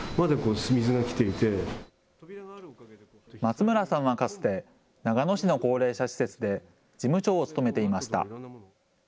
松村さんはかつて長野市の高齢者施設で事務長を務めていました。